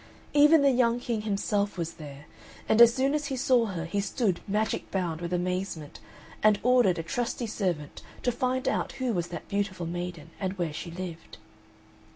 Even the young King himself was there, and as soon as he saw her he stood magic bound with amazement, and ordered a trusty servant to find out who was that beautiful maiden, and where she lived.